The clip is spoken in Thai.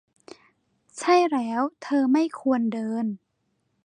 ใช่แล้วเธอไม่ควรเดิน